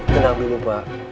tenang dulu pak